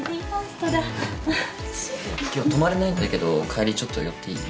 今日泊まれないんだけど帰りちょっと寄っていい？